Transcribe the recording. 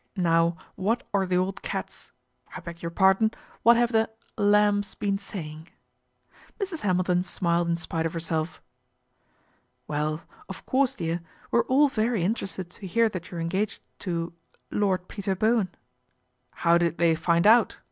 Now what are the old cats I beg your pardon, what have the lambs been saying ?" Mrs. Hamilton smiled in spite of herself. " Well, of course, dear, we're all very interested to hear that you are engaged to Lord Peter Bowen." " How did they find out